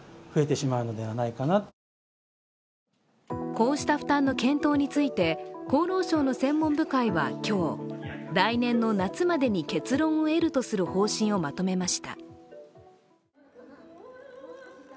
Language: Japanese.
こうした負担の検討について厚労省の専門部会は今日来年の夏までに結論を得るとする方針をまとめました。